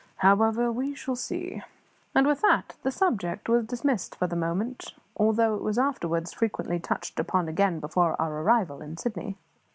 However, we shall see." And with that the subject was dismissed for the moment, although it was afterwards frequently touched upon again before our arrival in Sydney.